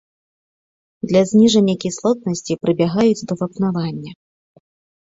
Для зніжэння кіслотнасці прыбягаюць да вапнавання.